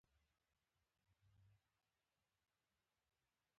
د احمد مشر ورور چې راغی محمود پښې وایستلې.